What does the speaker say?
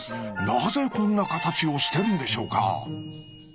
なぜこんな形をしてるんでしょうか。